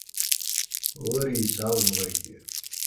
Ur yesɛuẓẓeg.